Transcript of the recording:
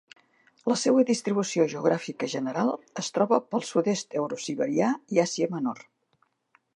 La seua distribució geogràfica general es troba pel sud-est eurosiberià i Àsia menor.